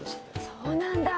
そうなんだ。